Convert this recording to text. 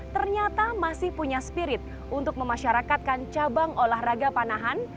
ternyata masih punya spirit untuk memasyarakatkan cabang olahraga panahan